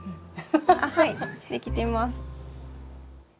はいできてます。